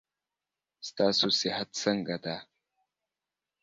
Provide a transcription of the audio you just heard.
ستاسو صحت څنګه ده.